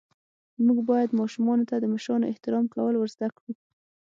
موږ باید ماشومانو ته د مشرانو احترام کول ور زده ڪړو.